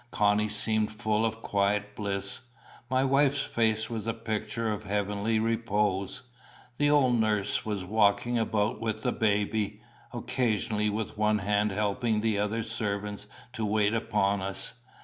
Connie seemed full of quiet bliss. My wife's face was a picture of heavenly repose. The old nurse was walking about with the baby, occasionally with one hand helping the other servants to wait upon us.